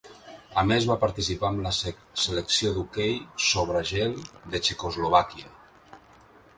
A més va participar amb la selecció d'hoquei sobre gel de Txecoslovàquia.